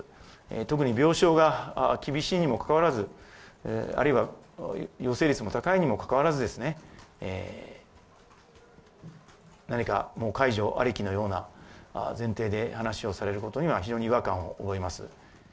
特に病床が厳しいにもかかわらず、あるいは陽性率が高いにもかかわらず、何かもう解除ありきのような前提で話をされることには非常に違和